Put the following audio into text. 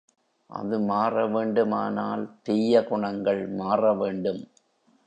அது மாற வேண்டுமானால் தீய குணங்கள் மாற வேண்டும்.